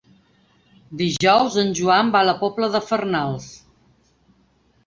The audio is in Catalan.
Dijous en Joan va a la Pobla de Farnals.